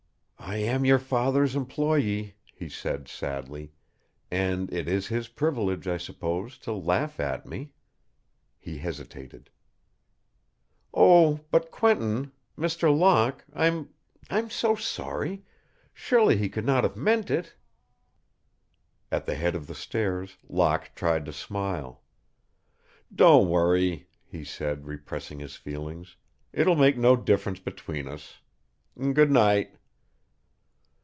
"I am your father's employe," he said, sadly, "and it is his privilege, I suppose, to laugh at me." He hesitated. "Oh, but, Quentin Mr. Locke I'm I'm so sorry. Surely he could not have meant it." At the head of the stairs Locke tried to smile. "Don't worry," he said, repressing his feelings. "It will make no difference between us. Good night."